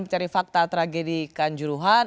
mencari fakta tragedi kanjuruhan